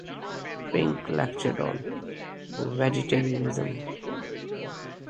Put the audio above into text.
Pink lectured on vegetarianism.